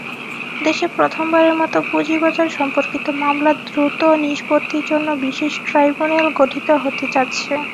দেশে প্রথমবারের মতো পুঁজিবাজার-সম্পর্কিত মামলা দ্রুত নিষ্পত্তির জন্য বিশেষ ট্রাইব্যুনাল গঠিত হতে যাচ্ছে।